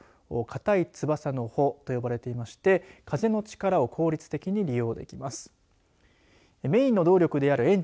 硬い翼の帆と呼ばれていまして風の力を効率的に利用できます。